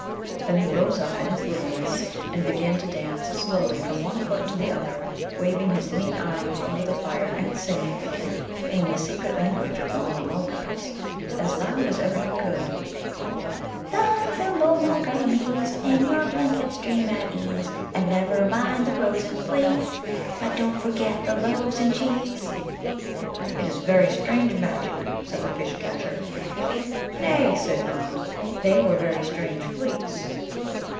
Then he rose up in his littleness, and began to dance slowly from one foot to the other, waving his lean arms over the fire, and singing, in the secret language of the Mulla mulgars, as loud as ever he could: "Thumb, Thimble, Mulgar meese, In your blankets dream at ease, And never mind the frozen fleas; But don't forget the loaves and cheese!" "It is very strange magic," said the Fish catcher. "Nay," said Nod; "they were very strange fleas."